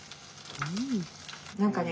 何かね